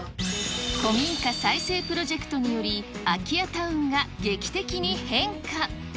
古民家再生プロジェクトにより、空き家タウンが劇的に変化。